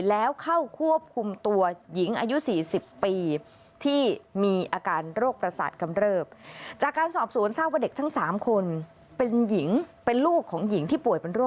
แล้วเข้าควบคุมตัวหญิงอายุ๔๐ปี